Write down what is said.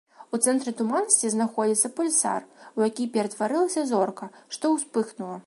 У цэнтры туманнасці знаходзіцца пульсар, у які ператварылася зорка, што ўспыхнула.